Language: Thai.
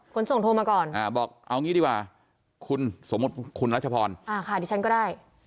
ขนส่งโทรมาก่อนบอกเอางี้ดีกว่าคุณสมมุติคุณรัชพรอ่าค่ะดิฉันก็ได้